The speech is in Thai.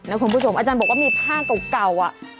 คุณผู้ชมอาจารย์บอกว่ามีผ้าเก่า